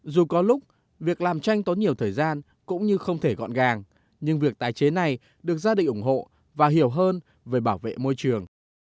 dù có lúc việc làm tranh tốn nhiều thời gian cũng như không thể gọn gàng nhưng việc tái chế này được gia đình ủng hộ và hiểu hơn về bảo vệ môi trường